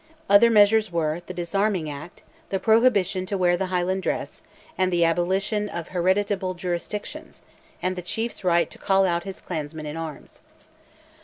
Other measures were the Disarming Act, the prohibition to wear the Highland dress, and the abolition of "hereditable jurisdictions," and the chief's right to call out his clansmen in arms.